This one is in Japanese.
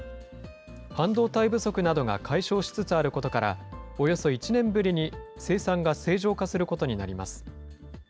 半導体不足などが解消しつつあることから、およそ１年ぶりに生産が正常化することになります。